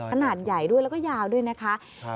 ขนาดใหญ่ด้วยแล้วก็ยาวด้วยนะคะ